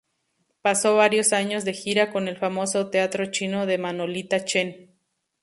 Pasó varios años de gira con el famoso "Teatro Chino de Manolita Chen".